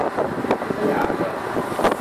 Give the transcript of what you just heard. ถ้าอยากแอด